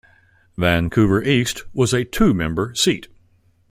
Vancouver East was a two-member seat.